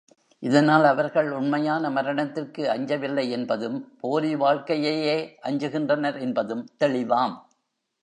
இதனால், அவர்கள் உண்மையான மரணத்திற்கு அஞ்சவில்லை என்பதும், போலி வாழ்க்கையையே அஞ்சுகின்றனர் என்பதும் தெளிவாம்.